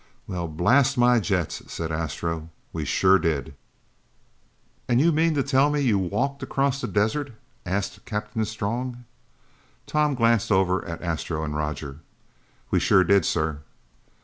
"Well, blast my jets," said Astro. "We sure did!" "And you mean to tell me, you walked across that desert?" asked Captain Strong. Tom glanced over at Astro and Roger. "We sure did, sir."